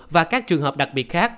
và các trường hợp đặc biệt khác